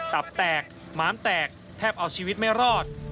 ตับแตกหมามแตกแทบเอาชีวิตไม่รอด